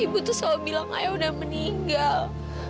ibu tuh selalu bilang ayah udah meninggal